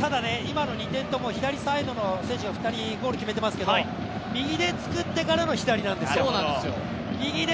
ただね、今の２点とも左サイドの選手が入れていますけど右で作ってからの左なんですよ。